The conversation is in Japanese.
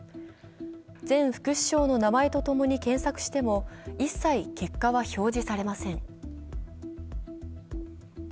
前副首相の名前と共に検索しても、一切結果は表示されません。